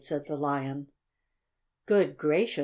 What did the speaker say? said the Lion. "Good gracious!